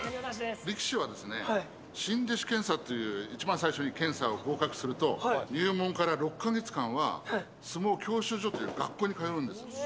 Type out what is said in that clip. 力士はですね、新弟子検査という一番最初の検査に合格すると、入門から６か月間は、相撲教習所という学校に通うんです。